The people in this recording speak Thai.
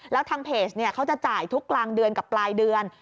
แล้วทางเพจเขาจะจ่ายทุกกลางเดือนกับปลายเดือน